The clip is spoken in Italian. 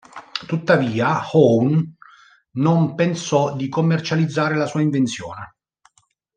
Tuttavia Howe non pensò di commercializzare la sua invenzione.